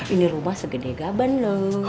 ini rumah segede gaban loh